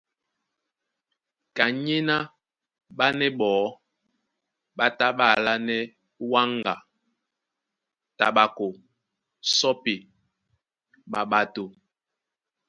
Kanyéná ɓánɛ́ ɓɔɔ́ ɓá tá ɓá alánɛ́ wáŋga, taɓako, sɔ́pi, maɓato.